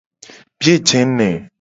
Biye je ne.